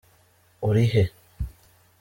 Uri he?